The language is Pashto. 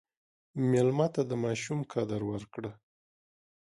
مېلمه ته د ماشوم قدر ورکړه.